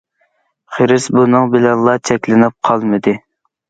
خىرىس بۇنىڭ بىلەنلا چەكلىنىپ قالمىدى.